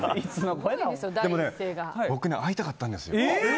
でも僕、会いたかったんですよ。